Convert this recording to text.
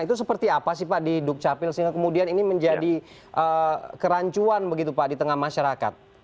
itu seperti apa sih pak di dukcapil sehingga kemudian ini menjadi kerancuan begitu pak di tengah masyarakat